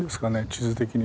地図的に。